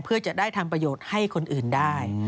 เพื่อจะได้ทำประโยชน์ให้คนอื่นได้